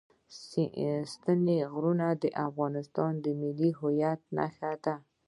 ستوني غرونه د افغانستان د ملي هویت نښه ده.